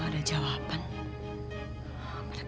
kamu ngapain anakku